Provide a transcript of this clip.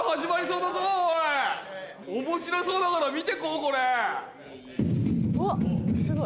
面白そうだから見ていこうこれ。